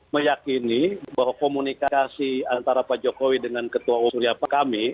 meyakini bahwa komunikasi antara pak jokowi dengan ketua umum siapa kami